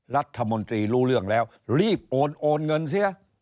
รัฐมนตรีรู้เรื่องแล้วรีบโอนโอนเงินเสีย